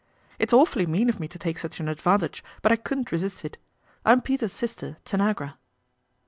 " It's awfully mean of me to take such an advantage, but I couldn't ! resist it. I'm Peter's sister, Tanagra."